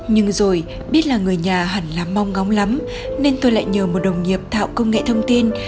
nhưng rồi biết là người nhà hẳn là mong ngóng lắm nên tôi lại nhờ một đồng nghiệp thạo công nghệ thông tin